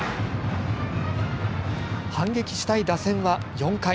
反撃したい打線は４回。